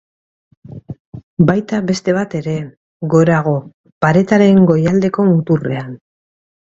Baita beste bat ere, gorago, paretaren goialdeko muturrean.